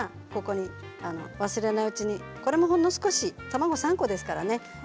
忘れないうちにこれもほんの少し卵３個ですからね